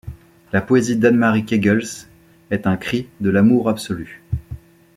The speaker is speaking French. La poésie d'Anne-Marie Kegels est un cri de l'amour absolu.